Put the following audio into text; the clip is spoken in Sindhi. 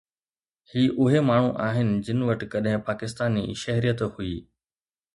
هي اهي ماڻهو آهن جن وٽ ڪڏهن پاڪستاني شهريت هئي